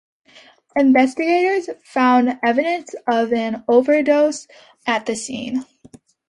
Investigators found evidence of an overdose at the scene.